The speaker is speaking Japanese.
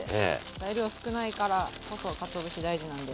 材料少ないからこそかつお節大事なんで。